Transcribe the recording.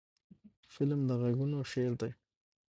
فلم د غږونو شعر دی